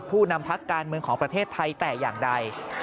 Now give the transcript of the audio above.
ผู้นำพักการเมืองของประเทศไทยแต่อย่างใด